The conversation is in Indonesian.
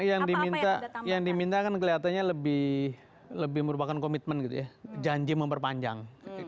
yang diminta yang diminta kan kelihatannya lebih merupakan komitmen gitu ya janji memperpanjang